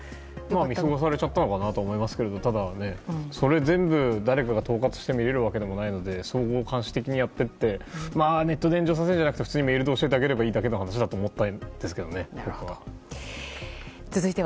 見過ごされちゃったのかなと思いますけどただ、それ全部誰かが統括して見れるわけじゃないので総合監視的にやっていってネットで炎上させるんじゃなくて普通にメールで教えるだけの話だと思ったんですけどね。